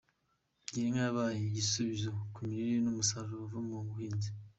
Girinka yabaye igisubizo ku mirire n’umusaruro uva ku buhinzi.